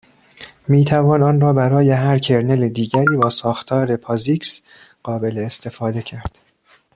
میتوان آن را برای هر کرنل دیگری با ساختار پازیکس قابل استفاده کرد.